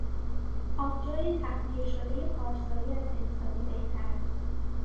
آبجو تخمیر شدهی پارسالی از امسالی بهتر است.